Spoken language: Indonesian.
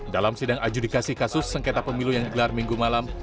dalam sidang adjudikasi kasus sengketa pemilu yang gelar minggu malam